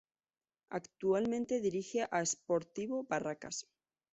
Actualmente dirige a Sportivo Barracas.